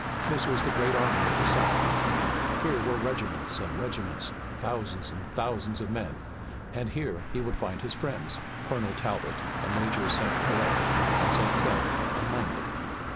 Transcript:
This was the great army of the South. Here were regiments and regiments, thousands and thousands of men and here he would find his friends, Colonel Talbot and Major St. Hilaire, and St. Clair and Langdon.